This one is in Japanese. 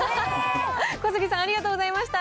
小杉さん、ありがとうございました。